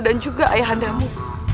dan juga ayah andamu